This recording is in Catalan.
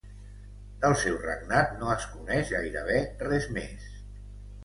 Del seu regnat no es coneix gairebé res més.